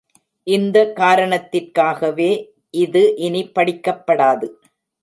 இந்த காரணத்திற்காகவே இது இனி படிக்கப்படாது.